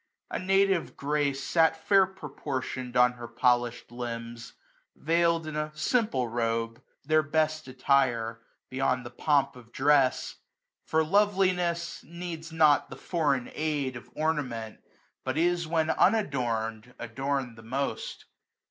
A native grace Sat ftdr proportion*d on her polished limbs, Veird in a simple robe, their best attire. Beyond the pomp of dress ; for loveliness Needs not the foreign aid of ornament, 205 But is when unadorned adornM the most.